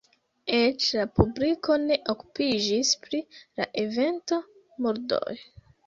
Eĉ la publiko ne okupiĝis pri la evento, murdoj.